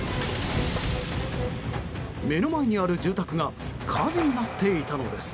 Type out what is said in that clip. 目の前にある住宅が火事になっていたのです。